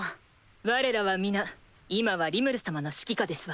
われらは皆今はリムル様の指揮下ですわ。